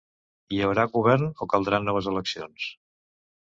Hi haurà govern o caldran noves eleccions?